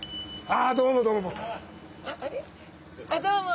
あっどうも。